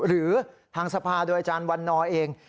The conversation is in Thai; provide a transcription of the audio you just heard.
หรือทางสภาโดยอาจารย์วันนอร์เอง